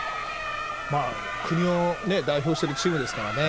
まあ、国を代表してるチームですからね。